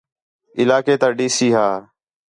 علاقے تا ڈی سی ہا